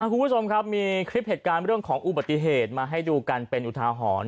คุณผู้ชมครับมีคลิปเหตุการณ์เรื่องของอุบัติเหตุมาให้ดูกันเป็นอุทาหรณ์